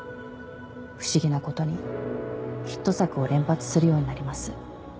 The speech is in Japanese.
不思議なことにヒット作を連発するようになります